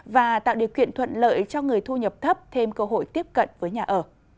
và tạo điều kiện thuận lợi cho người thu nhập thấp thêm cơ hội tiếp cận với nhà ở